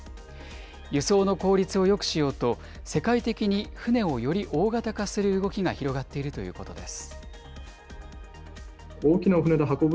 輸送の効率をよくしようと、世界的に船をより大型化する動きが広がっているということです。